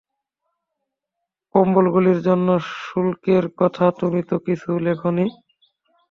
কম্বলগুলির জন্য শুল্কের কথা তুমি তো কিছু লেখনি।